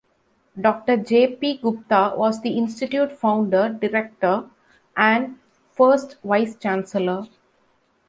Doctor J. P. Gupta was the institute founder director and first Vice-Chancellor.